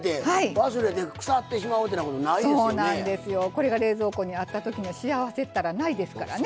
これが冷蔵庫にあった時の幸せったらないですからね。